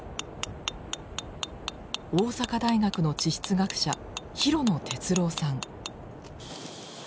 大阪大学の地質学者廣野哲朗さん。